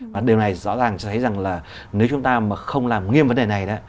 và điều này rõ ràng thấy rằng là nếu chúng ta mà không làm nghiêm vấn đề này